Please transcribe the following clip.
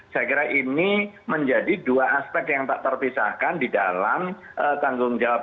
saya kira ini menjadi dua aspek yang tak terpisahkan di dalam tanggung jawab